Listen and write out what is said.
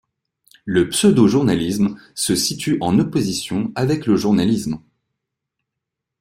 Le pseudo-journalisme se situe en opposition avec le journalisme.